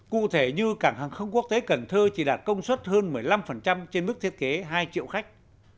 cụ thể như cảng hàng không quốc tế cần thơ chỉ đạt công suất hơn một mươi năm trên mức thiết kế hai triệu khách